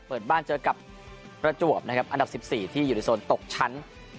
เปิดบ้านเจอกับประจวบนะครับอันดับ๑๔ที่อยู่ในโซนตกชั้น